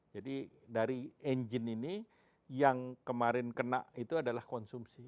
jadi dari engine ini yang kemarin kena itu adalah konsumsi